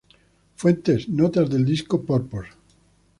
Fuentes: Notas del disco "Purpose".